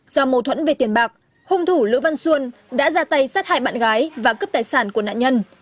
do mâu thuẫn về tiền bạc hung thủ lữ văn xuôn đã ra tay sát hại bạn gái và cướp tài sản của nạn nhân